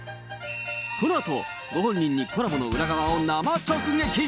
このあとご本人にコラボの裏側を生直撃。